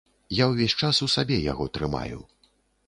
Я ўвесь час у сабе яго трымаю.